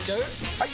・はい！